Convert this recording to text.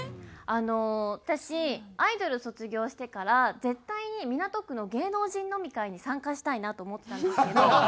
あの私アイドル卒業してから絶対に港区の芸能人飲み会に参加したいなと思ってたんですけど。